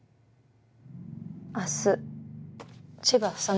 明日千葉房野